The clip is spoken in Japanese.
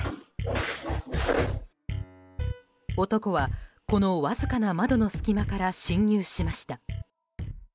男は、このわずかな窓の隙間から侵入しました。